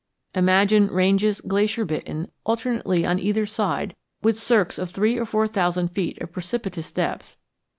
Imagine ranges glacier bitten alternately on either side with cirques of three or four thousand feet of precipitous depth.